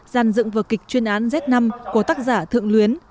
dàn dựng vở kịch chuyên án z năm của tác giả thượng luyến